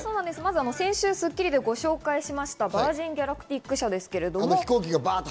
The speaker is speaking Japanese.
先週『スッキリ』でご紹介しましたヴァージン・ギャラクティック社ですけれども。